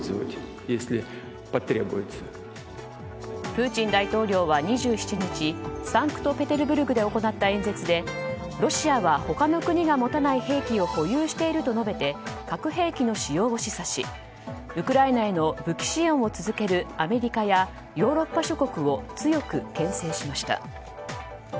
プーチン大統領は２７日サンクトペテルブルクで行った演説でロシアは他の国が持たない兵器を保有していると述べて核兵器の使用を示唆しウクライナへの武器支援を続けるアメリカやヨーロッパ諸国を強く牽制しました。